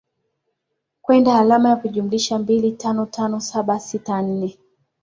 kwenda alama ya kujumlisha mbili tano tano saba sita nne